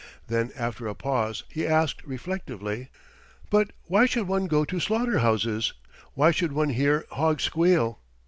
Then after a pause he asked reflectively: "But why should one go to slaughter houses, why should one hear hogs squeal?"